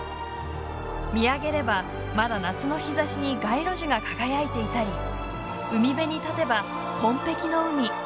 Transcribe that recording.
見上げれば、まだ夏の日ざしに街路樹が輝いていたり海辺に立てば、紺ぺきの海。